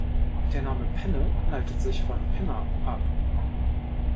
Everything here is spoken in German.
Der Name Penne leitet sich von "Pinna" ab.